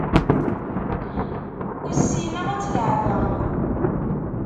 Ur ssineɣ ad tt-leεbeɣ.